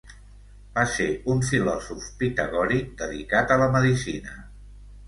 Va ser un filòsof pitagòric dedicat a la medicina.